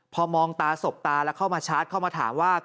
พอมองตาสบตาแล้วเข้ามาชาร์จเข้ามาถามว่า